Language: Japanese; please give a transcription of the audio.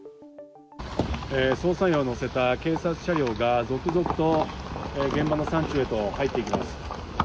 捜査員を乗せた警察車両が続々と現場の山中へと入っていきます。